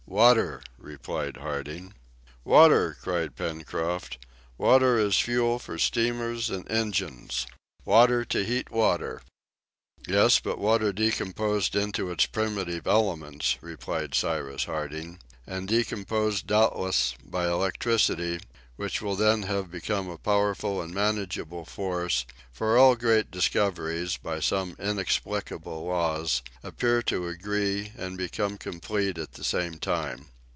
"Water," replied Harding. "Water!" cried Pencroft, "water as fuel for steamers and engines! water to heat water!" "Yes, but water decomposed into its primitive elements," replied Cyrus Harding, "and decomposed doubtless, by electricity, which will then have become a powerful and manageable force, for all great discoveries, by some inexplicable laws, appear to agree and become complete at the same time.